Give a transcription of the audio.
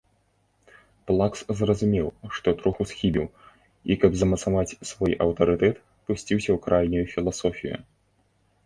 Плакс зразумеў, што троху схібіў, і, каб замацаваць свой аўтарытэт, пусціўся ў крайнюю філасофію.